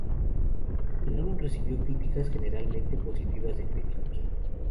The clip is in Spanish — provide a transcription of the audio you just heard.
El álbum recibió críticas generalmente positivas de críticos.